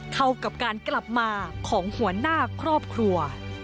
เท่ากับการกลับมาของหัวหน้าครอบครัว